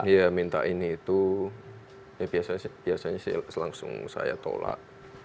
ya minta ini itu ya biasanya langsung saya tolak